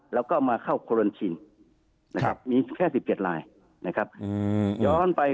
แล้วก็มาเข้าควอรันทีนนะครับมีแค่สิบเก็ดลายนะครับอืมย้อนไป